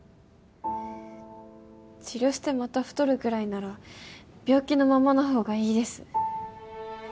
治療してまた太るくらいなら病気のままのほうがいいです。